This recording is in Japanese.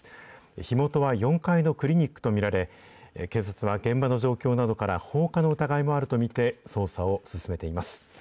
火元は４階のクリニックと見られ、警察は現場の状況などから、放火の疑いもあると見て捜査を進めています。